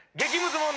問題